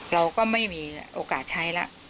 เราก็ไม่มีโอกาสใช้แล้ว